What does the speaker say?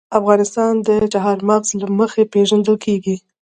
افغانستان د چار مغز له مخې پېژندل کېږي.